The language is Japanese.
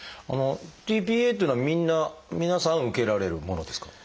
ｔ−ＰＡっていうのはみんな皆さん受けられるものですか？